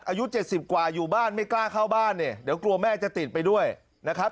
อายุ๗๐กว่าอยู่บ้านไม่กล้าเข้าบ้านเนี่ยเดี๋ยวกลัวแม่จะติดไปด้วยนะครับ